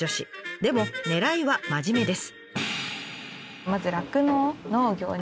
でもねらいは真面目です。